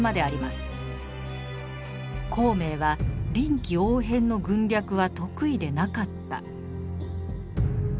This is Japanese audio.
「孔明は臨機応変の軍略は得意でなかった」。